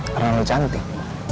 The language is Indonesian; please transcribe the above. karena lu cantik